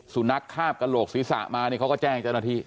สุนัขคาบกระโหลกศีรษะมาเนี่ยเขาก็แจ้งเจ้าหน้าที่